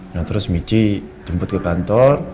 nah terus michi jemput ke kantor